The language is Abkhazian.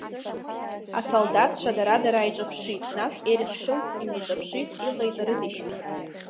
Асолдаҭцәа дара-дара ааиҿаԥшит, нас Ерих Шульц инеиҿаԥшит иҟаиҵарызеишь ҳәа.